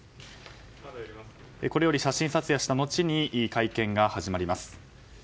これより写真撮影した後に会見が始まります。